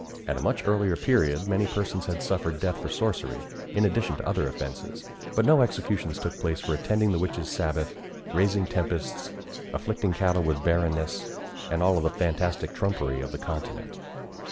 At a much earlier period many persons had suffered death for sorcery, in addition to other offences; but no executions took place for attending the witches' sabbath, raising tempests, afflicting cattle with barrenness, and all the fantastic trumpery of the continent.